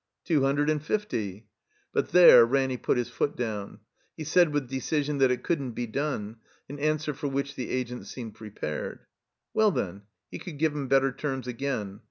''Two hundred and fiifty." But there Ranny put his foot down. He said with decision that it couldn't be done, an answer for which the Agent seemed prepared. Well, then — ^he could give him better terms again.